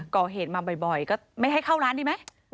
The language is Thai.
ก่อเหตุมาบ่อยก็ไม่ให้เข้าร้านดีไหม